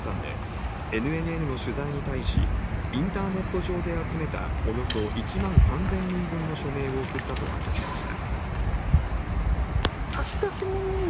差出人は東京都清瀬市に住む斉藤恵さんでＮＮＮの取材に対し、インターネット上で集めたおよそ１万３０００人分の署名を送ったと明かしました。